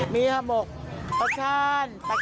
มีขอบบประชาญตะกายหมูสับ